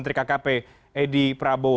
tidak ada itu